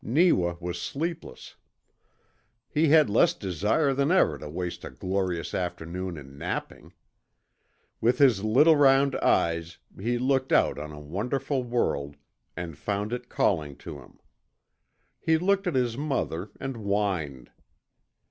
Neewa was sleepless. He had less desire than ever to waste a glorious afternoon in napping. With his little round eyes he looked out on a wonderful world, and found it calling to him. He looked at his mother, and whined.